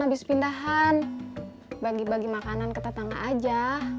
habis pindahan bagi bagi makanan ke tetangga aja